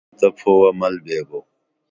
حضور ساں گرم تہ پھوہ مل بیبو